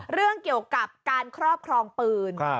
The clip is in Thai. เรื่องเกี่ยวกับการครอบครองปืน